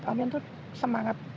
om yon itu semangat